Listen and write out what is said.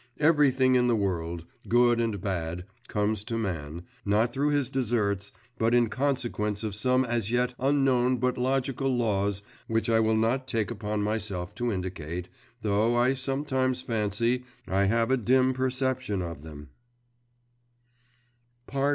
Everything in the world, good and bad, comes to man, not through his deserts, but in consequence of some as yet unknown but logical laws which I will not take upon myself to indicate, though I sometimes fancy I have a dim perception of them.